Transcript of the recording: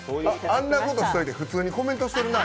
あんなことしといて、普通にコメントしてるな。